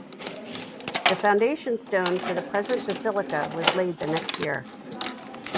The foundation stone for the present basilica was laid the next year.